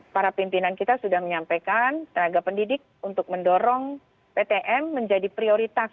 para pimpinan kita sudah menyampaikan tenaga pendidik untuk mendorong ptm menjadi prioritas